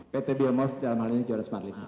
pt biomorf dalam hal ini johannes marlin